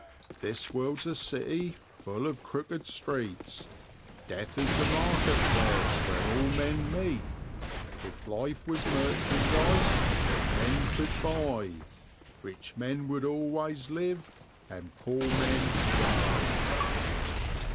This world's a city, full of crooked streets, Death is the market place where all men meet; If life was merchandise, then men could buy, Rich men would always live, and poor men die.